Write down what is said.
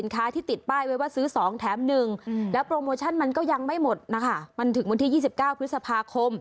ข้าวขายหลอกหลวงบ้างนะ